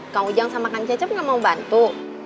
kang ujang sama kang cecep nggak mau bantu